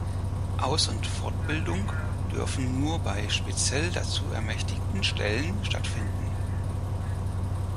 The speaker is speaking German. Aus- und Fortbildung dürfen nur bei speziell dazu ermächtigten Stellen stattfinden.